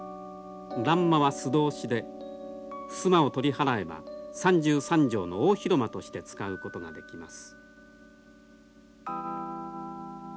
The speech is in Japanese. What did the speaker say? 欄間は素通しで襖を取り払えば３３畳の大広間として使うことができます。